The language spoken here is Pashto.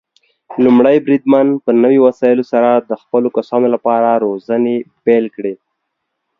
لومړی بریدمن په نوي وسايلو سره د خپلو کسانو لپاره روزنې پيل کړي.